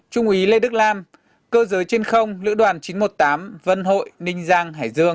tám trung úy lê đức lam cơ giới trên không lữ đoàn chín trăm một mươi tám